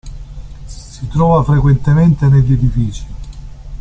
Si trova frequentemente negli edifici.